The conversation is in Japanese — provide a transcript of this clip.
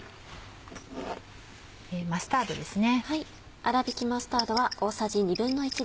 マスタードですね。